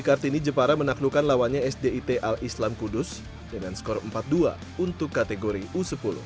kartini jepara menaklukkan lawannya sdit al islam kudus dengan skor empat dua untuk kategori u sepuluh